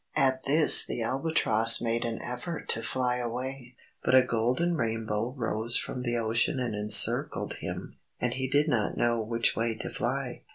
At this the Albatross made an effort to fly away. But a golden rainbow rose from the ocean and encircled him, and he did not know which way to fly.